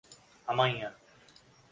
Amanhã